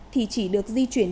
thì chỉ được di chuyển